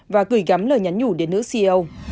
và gửi gắm lời nhắn nhủ đến nữ ceo